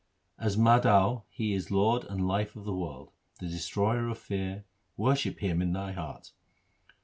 As Madho He is Lord and Life of the world, The Destroyer of fear ; worship Him in thy heart.